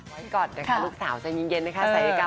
ไว้ก่อนนะคะลูกสาวใส่เย็นนะคะใส่เอกา